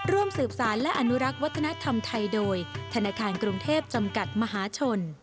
ร่วมสืบสารและอนุรักษ์วัฒนธรรมไทยโดยธนาคารกรุงเทพจำกัดมหาชน